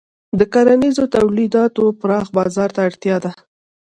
د کرنیزو تولیداتو پراخ بازار ته اړتیا ده.